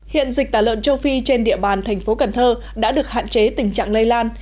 hiện dịch tả lợn châu phi trên địa bàn thành phố cần thơ đã được hạn chế tình trạng lây lan